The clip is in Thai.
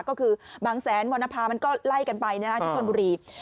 ก็คือบางแสนวรรณภามันก็ไล่กันไปที่ชนบุรี